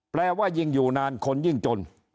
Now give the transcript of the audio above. ว่ายิ่งอยู่นานคนยิ่งจน